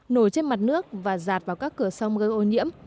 nổi trên mặt nước và giạt vào các cửa sông gây ô nhiễm